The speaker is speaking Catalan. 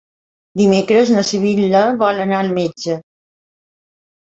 Dimecres na Sibil·la vol anar al metge.